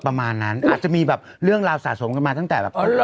ประมาณนั้นอาจจะมีแบบเรื่องราวสะสมกันมาตั้งแต่แบบ